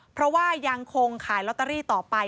เพราะว่ายังคงขายลอตเตอรี่ต่อไป